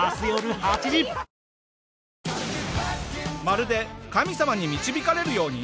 まるで神様に導かれるように